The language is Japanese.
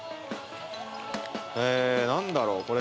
え何だろう